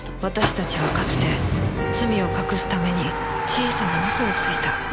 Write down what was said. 私たちはかつて罪を隠すために小さな嘘をついた